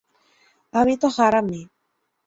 আমি তো হারামি।